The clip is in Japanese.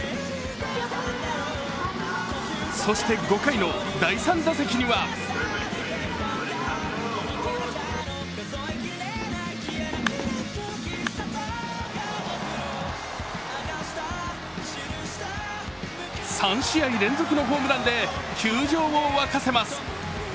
そして５回の第３打席には３試合連続のホームランで球場を沸かせます。